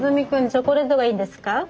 チョコレートがいいですか？